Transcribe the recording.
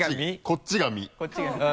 こっちが「み」